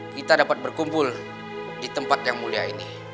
kita dapat berkumpul di tempat yang mulia ini